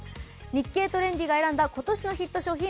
「日経トレンディ」が選んだ今年のヒット商品